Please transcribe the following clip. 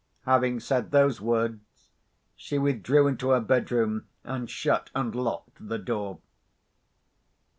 Having said those words, she withdrew into her bedroom, and shut and locked the door.